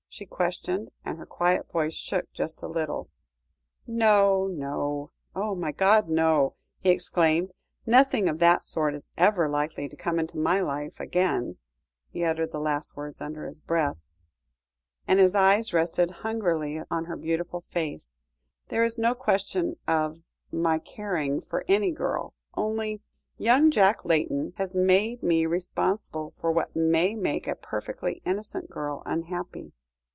she questioned, and her quiet voice shook just a little. "No no my God no!" he exclaimed, "nothing of that sort is ever likely to come into my life again" he uttered the last words under his breath, and his eyes rested hungrily on her beautiful face "there is no question of my caring for any girl only young Jack Layton has made me responsible for what may make a perfectly innocent girl unhappy."